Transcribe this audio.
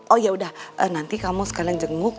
oh yaudah nanti kamu sekalian jenguk tuh ma